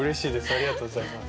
ありがとうございます。